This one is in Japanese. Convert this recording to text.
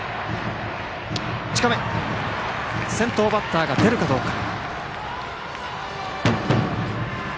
先頭バッターが出るかどうか。